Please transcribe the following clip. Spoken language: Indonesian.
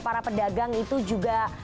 para pedagang itu juga